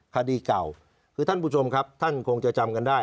คดีเก่าคือท่านผู้ชมครับท่านคงจะจำกันได้